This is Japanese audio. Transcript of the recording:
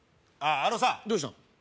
あのさどうした？